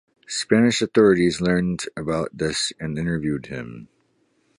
Spanish authorities learned about this and interviewed him.